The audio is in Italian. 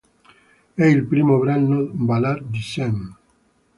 È il primo brano ballad di Sean.